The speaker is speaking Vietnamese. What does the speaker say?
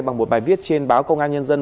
bằng một bài viết trên báo công an nhân dân